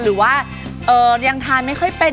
หรือว่ายังทานไม่ค่อยเป็น